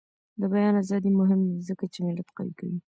د بیان ازادي مهمه ده ځکه چې ملت قوي کوي.